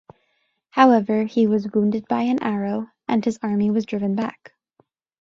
However, he was wounded by an arrow and his army was driven back.